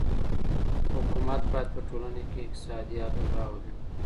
حکومت باید په ټولنه کي اقتصادي عدل راولي.